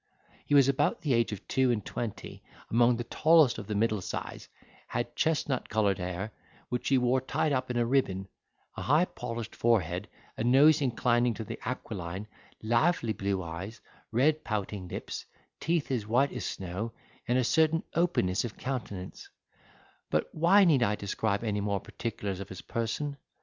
He was about the age of two and twenty, among the tallest of the middle size; had chestnut coloured hair, which he wore tied up in a ribbon; a high polished forehead, a nose inclining to the aquiline, lively blue eyes, red pouting lips, teeth as white as snow, and a certain openness of countenance—but why need I describe any more particulars of his person?